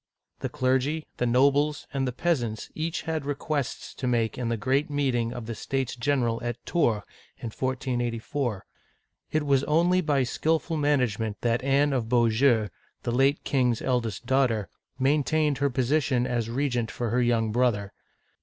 The clergy, the nobles, and the peasants each had requests to make in the great meeting of the States General at Tours (1484); and it was only by skill ful management that Anne of Beaujeu, the late king's eld est daughter, maintained her position as regent for her young brother.